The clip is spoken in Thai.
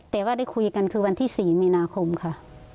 แต่ว่าได้คุยกันคือวันที่๔มีนาคมค่ะ